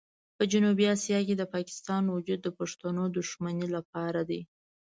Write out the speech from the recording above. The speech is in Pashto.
په جنوبي اسیا کې د پاکستان وجود د پښتنو د دښمنۍ لپاره دی.